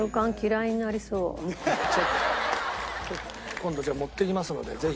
今度じゃあ持ってきますのでぜひ。